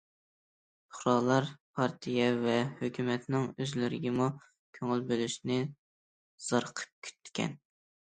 پۇقرالار پارتىيە ۋە ھۆكۈمەتنىڭ ئۆزلىرىگىمۇ كۆڭۈل بۆلۈشىنى زارىقىپ كۈتكەن.